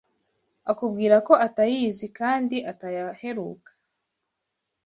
akamubwira ko atayazi kandi atayaheruka.